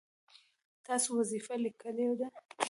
تاسو وظیفه لیکلې ده؟